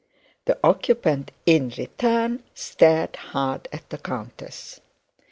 The occupant in return stared hard at the countess.